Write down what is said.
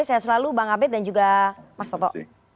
saya selalu bang abed dan juga mas toto